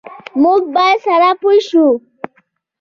موږ باید سره ېو شو